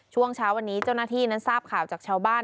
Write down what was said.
ช่วงเช้าวันนี้เจ้าหน้าที่นั้นทราบข่าวจากชาวบ้าน